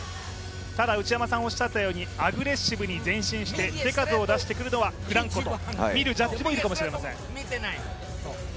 ただ内山さんおっしゃったようにアグレッシブに前進して手数を出してくるのはフランコとみるジャッジもいるかもしれません。